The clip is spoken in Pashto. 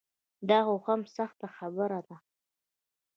دا خو هم سخته خبره ده.